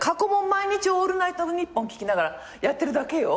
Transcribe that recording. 毎日『オールナイトニッポン』聞きながらやってるだけよ。